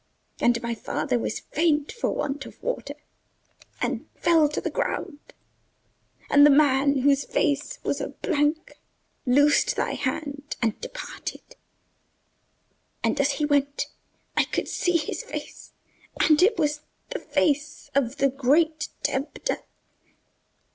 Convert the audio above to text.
And my father was faint for want of water and fell to the ground; and the man whose face was a blank loosed thy hand and departed: and as he went I could see his face; and it was the face of the Great Tempter.